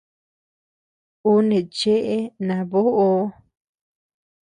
Ú neʼe cheʼe naboʼoo.